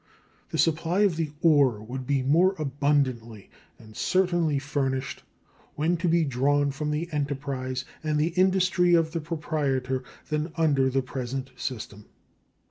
The supply of the ore would be more abundantly and certainly furnished when to be drawn from the enterprise and the industry of the proprietor than under the present system.